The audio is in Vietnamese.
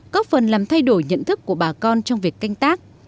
có phần làm thay đổi nhận thức của bà con trong việc canh tác